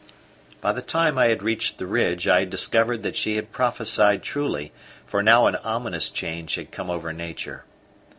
By the time I reached the ridge, I had discovered that she had prophesied truly, for now an ominous change had come over nature.